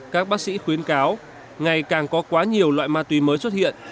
các bác sĩ khuyến cáo ngày càng có quá nhiều loại ma túy mới xuất hiện